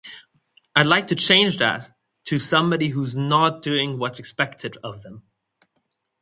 I'd like to change that to somebody who's not doing what's expected of them.